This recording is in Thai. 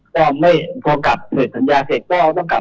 บางคนอาจจะยังไม่เข้าใจครับ